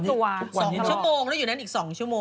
๒ตัว๒ชั่วโมงแล้วอยู่นั้นอีก๒ชั่วโมง